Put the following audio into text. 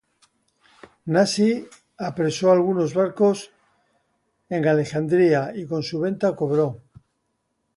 Nasi apresó alguno barcos en Alejandría y con su venta cobró.